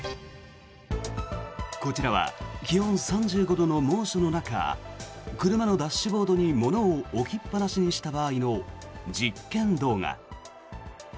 こちらは気温３５度の猛暑の中車のダッシュボードに物を置きっぱなしにした場合の実験動画。